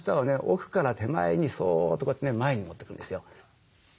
奥から手前にそっとこうやってね前に持ってくるんですよ。